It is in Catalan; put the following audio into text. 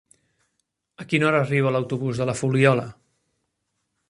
A quina hora arriba l'autobús de la Fuliola?